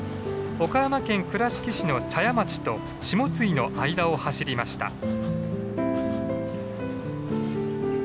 岡山県倉敷市の茶屋町と下津井の間を走りました。